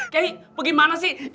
kiai bagaimana sih